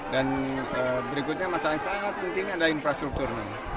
dan berikutnya masalah yang sangat penting adalah infrastruktur